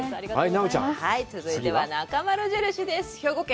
奈緒ちゃん、続いてはなかまる印です。